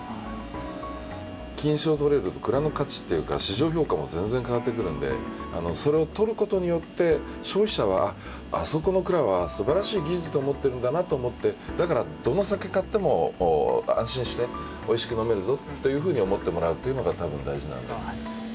金賞取れると蔵の価値っていうか市場評価も全然変わってくるんでそれを取ることによって消費者はあそこの蔵はすばらしい技術を持っているんだなと思ってだからどの酒買っても安心しておいしく飲めるぞというふうに思ってもらうというのが多分大事なので。